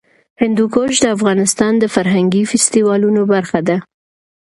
هندوکش د افغانستان د فرهنګي فستیوالونو برخه ده.